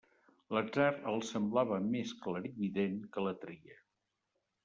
L'atzar els semblava més clarivident que la tria.